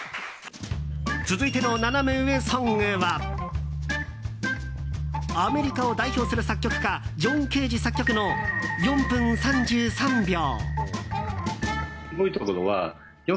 続いてのナナメ上ソングはアメリカを代表する作曲家ジョン・ケージ作曲の「４分３３秒」。